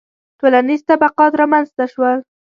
• ټولنیز طبقات رامنځته شول.